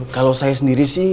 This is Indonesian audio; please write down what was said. kalo saya sendiri sih